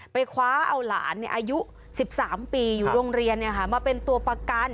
คว้าเอาหลานอายุ๑๓ปีอยู่โรงเรียนมาเป็นตัวประกัน